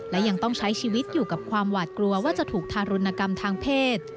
และยังต้องใช้ชีวิตอยู่กับความหวาดกลัวว่าจะถูกทารุณกรรมทางเพศ